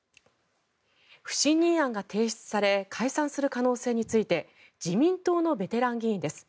不信任案が提出され解散される可能性について自民党のベテラン議員です。